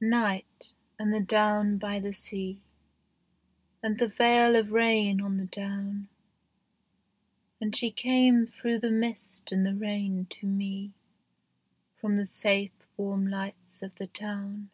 NIGHT, and the down by the sea, And the veil of rain on the down; And she came through the mist and the rain to me From the safe warm lights of the town.